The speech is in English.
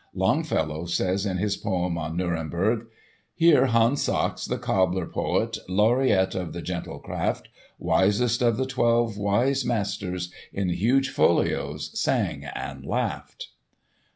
Longfellow says in his poem on "Nuremberg": "Here Hans Sachs, the cobbler poet, laureate of the gentle craft, Wisest of the Twelve Wise Masters in huge folios sang and laughed!"